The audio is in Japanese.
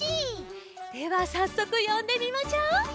ではさっそくよんでみましょう！